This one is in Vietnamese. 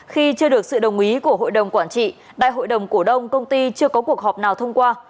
khi chưa được sự đồng ý của hội đồng quản trị đại hội đồng cổ đông công ty chưa có cuộc họp nào thông qua